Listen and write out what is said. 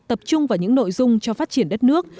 tập trung vào những nội dung cho phát triển đất nước